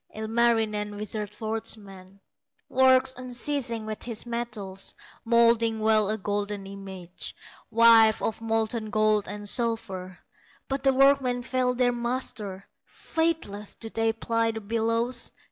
Ilmarinen, wizard forgeman, Works unceasing with his metals, Moulding well a golden image, Wife of molten gold and silver; But the workmen fail their master, Faithless do they ply the bellows.